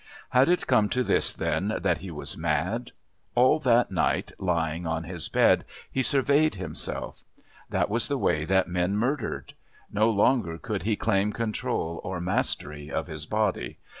Had it come to this then, that he was mad? All that night, lying on his bed, he surveyed himself. That was the way that men murdered. No longer could he claim control or mastery of his body.